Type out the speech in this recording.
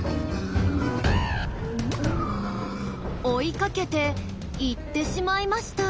追いかけて行ってしまいました。